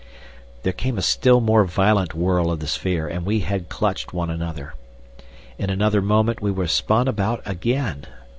There came a still more violent whirl of the sphere and we had clutched one another. In another moment we were spun about again.